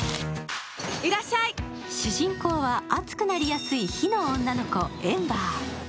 主人公はあつくなりやすい火の女の子、エンバー。